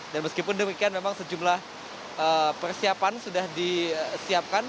dan meskipun demikian memang sejumlah persiapan sudah disiapkan